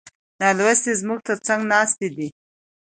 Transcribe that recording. نالوستي زموږ تر څنګ ناست دي.